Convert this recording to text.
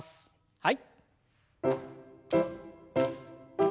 はい。